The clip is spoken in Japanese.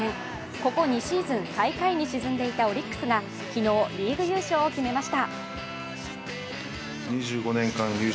ここ２シーズン最下位に沈んでいたオリックスが昨日、リーグ優勝を決めました。